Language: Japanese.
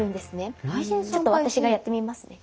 ちょっと私がやってみますね。